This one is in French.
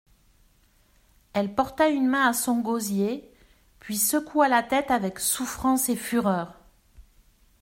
Elle porta une main à son gosier, puis secoua la tête avec souffrance et fureur.